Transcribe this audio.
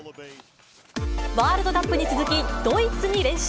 ワールドカップに続き、ドイツに連勝。